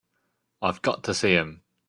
I've got to see him.